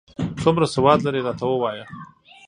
څومره سواد لرې، راته ووایه ؟